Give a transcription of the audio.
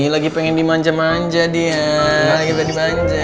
lagi pengen dimanja manja dia